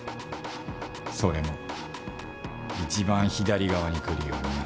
それも一番左側に来るようにな。